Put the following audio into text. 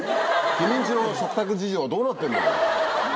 君ん家の食卓事情どうなってんだよ。